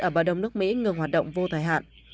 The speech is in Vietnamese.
ở bờ đông nước mỹ ngừng hoạt động vô thời hạn